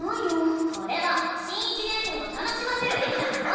これは新１年生を楽しませるげきなのよ！